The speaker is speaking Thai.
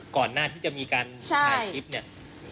ก่อนหน้าที่จะมีการถ่ายคลิปเนี่ย